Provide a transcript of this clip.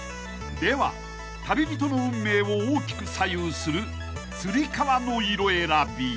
［では旅人の運命を大きく左右するつり革の色選び］